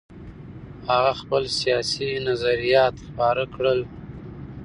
هغه خپل سیاسي نظریات خپاره کړل.